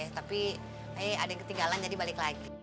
tapi eh ada yang ketinggalan jadi balik lagi